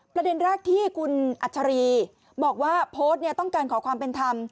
ประเด็นแรกที่คุณอัชรีบอกว่าโพสต์ต้องการขอความเป็นธรรม